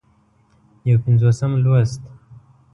یو پينځوسم لوست